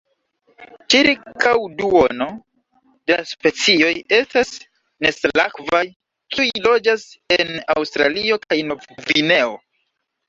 Ĉirkaŭ duono de la specioj estas nesalakvaj, kiuj loĝas en Aŭstralio kaj Novgvineo.